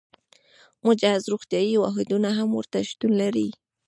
مجهز روغتیايي واحدونه هم ورته شتون لري.